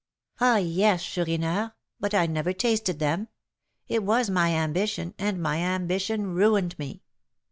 "Ah, yes, Chourineur; but I never tasted them. It was my ambition, and my ambition ruined me.